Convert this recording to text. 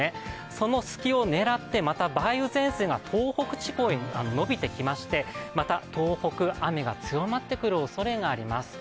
その隙を狙ってまた梅雨前線が東北地方に延びてきましてまた東北、雨が強まってくるおそれがあります。